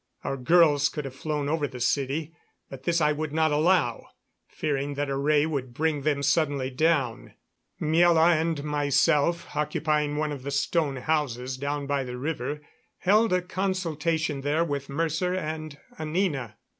Our girls could have flown over the city; but this I would not allow, fearing that a ray would bring them suddenly down. Miela and myself, occupying one of the stone houses down by the river, held a consultation there with Mercer and Anina.